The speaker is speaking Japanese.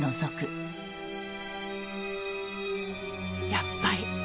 やっぱり。